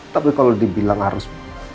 tapi kalau dibilang harus